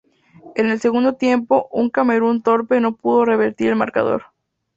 En el segundo tiempo un Camerún torpe no pudo revertir el marcador.